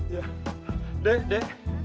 ya deh deh